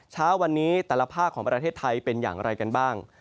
เช้าวันนี้แต่ละภาคของประเทศไทยเป็นอย่างไรกันบ้าง